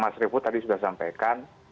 mas revo tadi sudah sampaikan